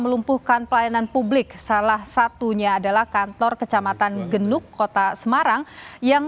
melumpuhkan pelayanan publik salah satunya adalah kantor kecamatan genuk kota semarang yang